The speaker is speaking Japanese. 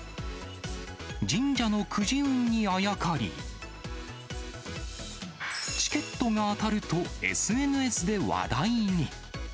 神社のくじ運にあやかり、チケットが当たると、ＳＮＳで話題に。